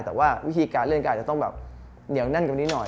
แต่ว่าวิธีการเล่นก็อาจจะต้องแบบเหนียวแน่นกว่านี้หน่อย